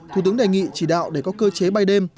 thủ tướng đề nghị chỉ đạo để có cơ chế bay đêm